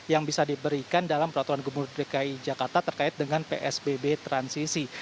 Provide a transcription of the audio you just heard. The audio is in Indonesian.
yang bisa diberikan dalam peraturan gubernur dki jakarta terkait dengan psbb transisi